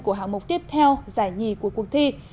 của hạng mục tiếp theo giải nhì của cuộc thi